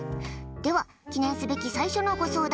では記念すべき最初のご相談。